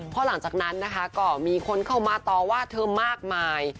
เพราะหลังจากนั้นนะคะก็มีคนเข้ามาต่อว่าเธอมากมาย